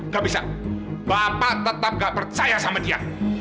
gak bisa bapak tetap gak percaya sama dia